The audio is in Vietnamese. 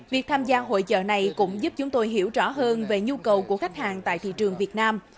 việc tham gia hội trợ này cũng giúp chúng tôi hiểu rõ hơn về nhu cầu của khách hàng tại thị trường việt nam